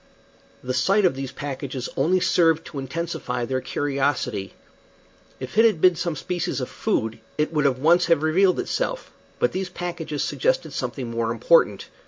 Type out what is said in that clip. The sight of these packages only served to intensify their curiosity. If it had been some species of food it would at once have revealed itself, but these packages suggested something more important.